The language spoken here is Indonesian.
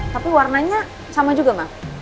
tapi warnanya sama juga mbak